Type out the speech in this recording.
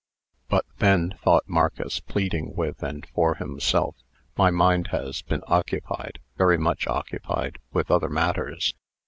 "But then," thought Marcus, pleading with and for himself, "my mind has been occupied very much occupied with other matters.